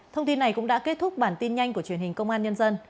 thông tin này cũng đã kết thúc bản tin nhanh của truyền hình công an nhân dân